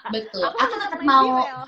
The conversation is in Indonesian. betul aku tetap mau